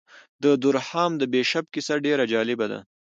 د دورهام د بیشپ کیسه ډېره جالبه ده.